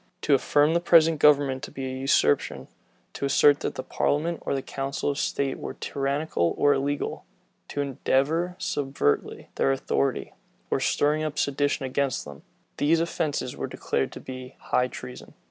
To affirm the present government to be a usurpation, to assert that the parliament or council of state were tyrannical or illegal, to endeavor subverting their authority, or stirring up sedition against them: these offences were declared to be high treason.